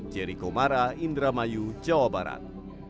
jericho mara indra mayu jawa barat